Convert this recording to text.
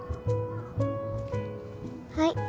はい